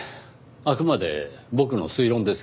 あくまで僕の推論ですが。